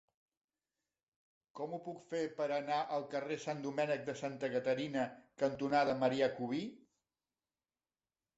Com ho puc fer per anar al carrer Sant Domènec de Santa Caterina cantonada Marià Cubí?